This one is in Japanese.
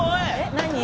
何？